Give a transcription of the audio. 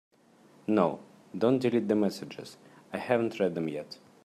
No, don’t delete the messages, I haven’t read them yet.